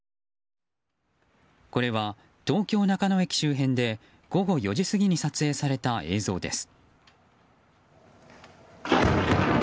これは東京・中野駅周辺で午後４時過ぎに撮影された映像です。